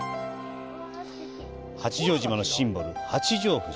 八丈島のシンボル「八丈富士」。